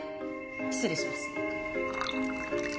失礼します。